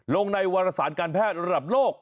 ลงในวารสารการแพทย์ระดับโลก